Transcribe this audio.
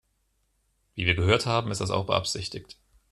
Wie wir gehört haben, ist das auch beabsichtigt.